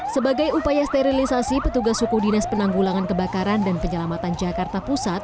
sebagai upaya sterilisasi petugas suku dinas penanggulangan kebakaran dan penyelamatan jakarta pusat